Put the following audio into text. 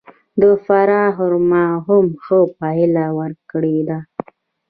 د فراه خرما هم ښه پایله ورکړې ده.